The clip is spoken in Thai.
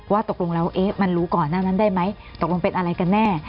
ตกลงแล้วมันรู้ก่อนหน้านั้นได้ไหมตกลงเป็นอะไรกันแน่